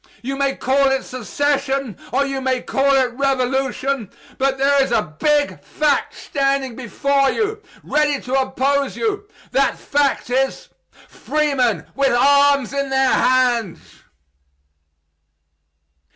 You may call it secession, or you may call it revolution; but there is a big fact standing before you, ready to oppose you that fact is, freemen with arms in their hands.